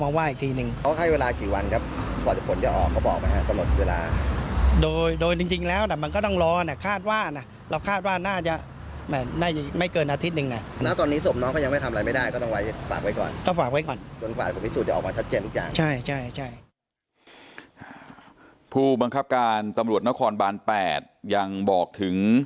บอกว่าที่จะมีการแจ้งข้อหาที่เกี่ยวข้องกับละละเบลเพิ่มเติม